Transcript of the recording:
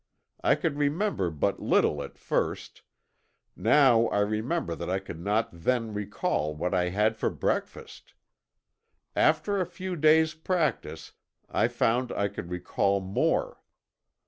I could remember but little at first now I remember that I could not then recall what I had for breakfast. After a few days' practice I found I could recall more.